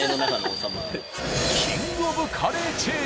キングオブカレーチェーン。